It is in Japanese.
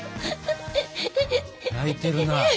泣いてるな。